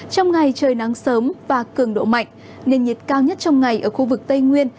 trong ngày trời nắng sớm và cường độ mạnh nền nhiệt cao nhất trong ngày ở khu vực tây nguyên